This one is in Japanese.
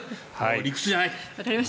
理屈じゃないと。